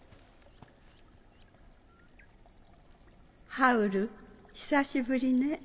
ハウル久しぶりね。